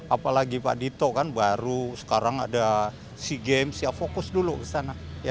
apalagi pak dito kan baru sekarang ada sea games ya fokus dulu ke sana